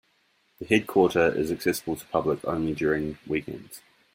This headquarter is accessible to public only during weekends.